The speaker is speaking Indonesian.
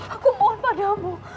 aku mohon padamu